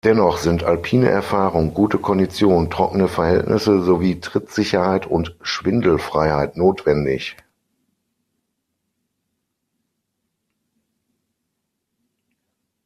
Dennoch sind alpine Erfahrung, gute Kondition, trockene Verhältnisse sowie Trittsicherheit und Schwindelfreiheit notwendig.